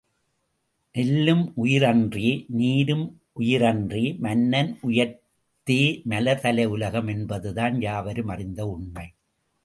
நெல்லும் உயிரன்றே நீரும் உயிரன்றே மன்னன் உயிர்த்தே மலர்தலை உலகம் என்பதுதான் யாவரும் அறிந்த உண்மை.